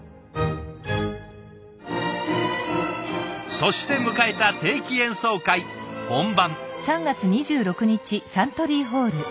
そして迎えた定期演奏会本番。